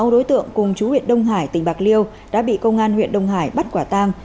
sáu đối tượng cùng chú huyện đông hải tỉnh bạc liêu đã bị công an huyện đông hải bắt quả tang